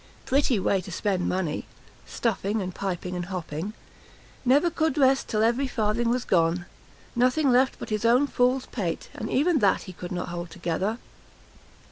Pretty way to spend money! Stuffing, and piping, and hopping! never could rest till every farthing was gone; nothing left but his own fool's pate, and even that he could not hold together."